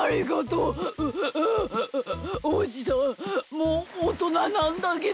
もうおとななんだけどね。